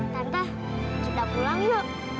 tante kita pulang yuk